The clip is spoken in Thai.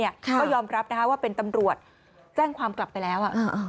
ก็ยอมรับนะคะว่าเป็นตำรวจแจ้งความกลับไปแล้ว